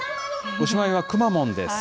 おしまいはくまモンです。